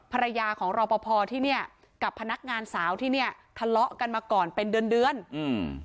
ภรรยาของรอปภที่เนี้ยกับพนักงานสาวที่เนี้ยทะเลาะกันมาก่อนเป็นเดือนเดือนอืม